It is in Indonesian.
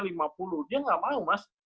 dia gak mau mas